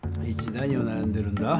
何をなやんでるんだ？